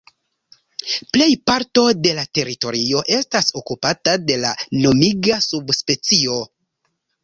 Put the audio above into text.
Plej parto de la teritorio estas okupata de la nomiga subspecio.